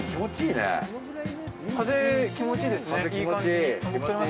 風気持ちいいですね、いい感じ。